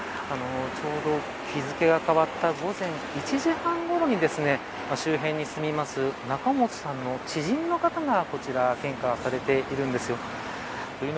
ちょうど日付が変わった午前１時半ごろに周辺に住む仲本さんの知人の方が献花をされているんですよ。